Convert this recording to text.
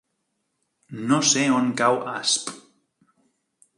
No sé on cau Asp.